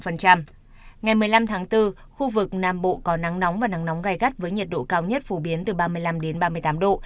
ngày một mươi năm tháng bốn khu vực nam bộ có nắng nóng và nắng nóng gai gắt với nhiệt độ cao nhất phổ biến từ ba mươi năm đến ba mươi tám độ